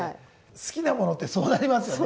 好きなものってそうなりますよね。